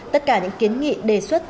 tất cả những kiến nghị đề xuất